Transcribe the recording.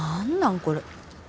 これ。